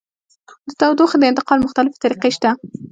د تودوخې د انتقال مختلفې طریقې شته.